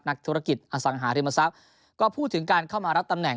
นักธุรกิจอสังหาริมทรัพย์ก็พูดถึงการเข้ามารับตำแหน